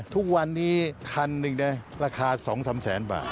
ทุกวันนี้คันหนึ่งนะราคา๒๓แสนบาท